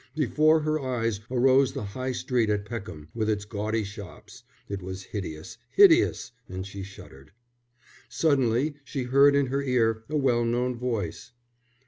Before her eyes arose the High Street at Peckham with its gaudy shops. It was hideous, hideous, and she shuddered. Suddenly she heard in her ear a well known voice.